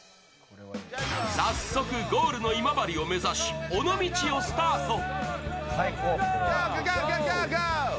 早速、ゴールの今治を目指し尾道をスタート。